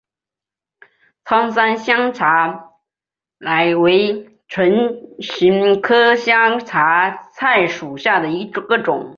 苍山香茶菜为唇形科香茶菜属下的一个种。